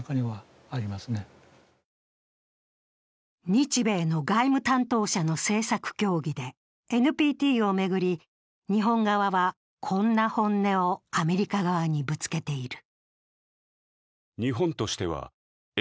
日米の外務担当者の政策協議でＮＰＴを巡り日本側は、こんな本音をアメリカ側にぶつけている。